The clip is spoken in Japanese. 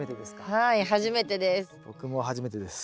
はい初めてです。